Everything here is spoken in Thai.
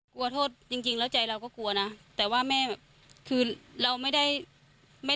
กลัวโทษจริงจริงแล้วใจเราก็กลัวนะแต่ว่าแม่แบบคือเราไม่ได้ไม่